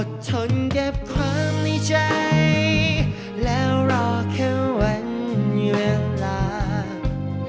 ทนเก็บความในใจแล้วรอแค่วันเวลา